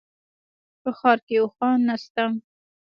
په ښار کي اوښان نشته